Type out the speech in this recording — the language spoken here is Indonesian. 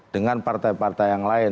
dengan partai partai yang lain